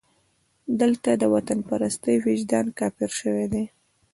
دلته د وطنپرستۍ وجدان کافر شوی دی.